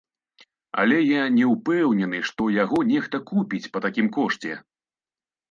Але я не ўпэўнены, што яго нехта купіць па такім кошце.